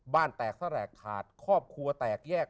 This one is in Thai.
แตกแสลกขาดครอบครัวแตกแยก